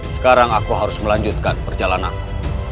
sekarang aku harus melanjutkan perjalananmu